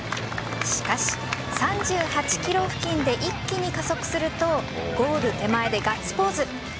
しかし３８ｋｍ付近で一気に加速するとゴール手前でガッツポーズ。